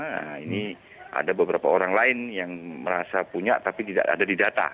nah ini ada beberapa orang lain yang merasa punya tapi tidak ada di data